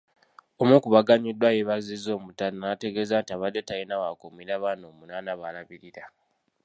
Omu ku baganyuddwa yeebazizza Omutanda n’ategeeza nti abadde talina w’akuumira baana omunaana b’alabirira.